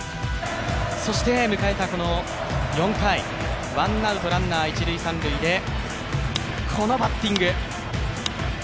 そして迎えた４回、ワンアウト一・三塁でこのバッティング。